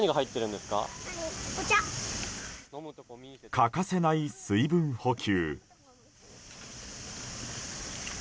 欠かせない水分補給。